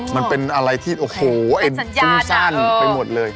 มันเป็นอะไรที่โอ้โหซุ้มสั้นไปหมดเลย